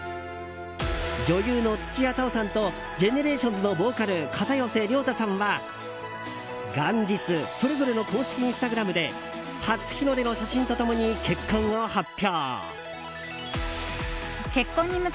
女優の土屋太鳳さんとＧＥＮＥＲＡＴＩＯＮＳのボーカル、片寄涼太さんは元日、それぞれの公式インスタグラムで初日の出の写真と共に結婚を発表。